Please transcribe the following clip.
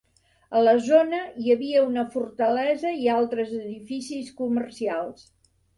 A la zona hi havia una fortalesa i altres edificis comercials.